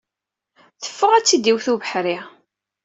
Teffeɣ ad tt-id-iwet ubeḥri.